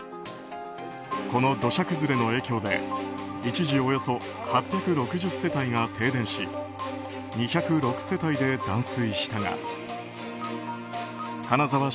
この土砂崩れの影響で一時およそ８６０世帯が停電し２０６世帯で断水したが金沢